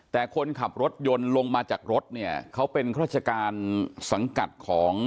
แต่คนขับรถยนต์ลงมาจากรถเนี่ยเขาเป็นราชการสังกัดของ